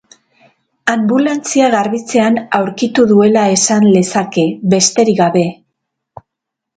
Anbulantzia garbitzean aurkitu duela esan lezake, besterik gabe.